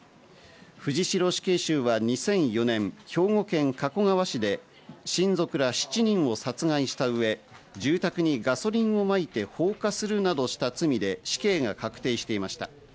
藤城死刑囚は２００４年、兵庫県加古川市で親族ら７人を殺害したうえ、住宅にガソリンをまいて放火するなどした罪で死刑が確定していました。